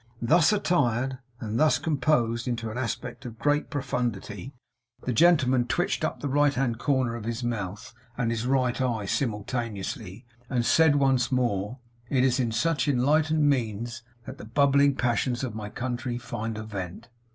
Thus attired, and thus composed into an aspect of great profundity, the gentleman twitched up the right hand corner of his mouth and his right eye simultaneously, and said, once more: 'It is in such enlightened means that the bubbling passions of my country find a vent.